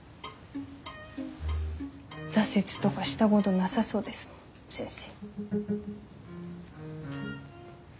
挫折とかしたごどなさそうですもん先生。